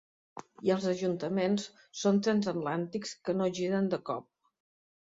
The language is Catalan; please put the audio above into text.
I els ajuntaments són transatlàntics que no giren de cop.